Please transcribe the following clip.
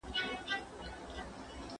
سپرلي خيل شاعر دې او که پــــکار نه يم